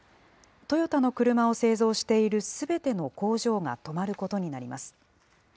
トヨタの車を製造しているすべての工場が止まることになります。